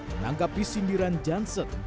menangkapi sindiran johnson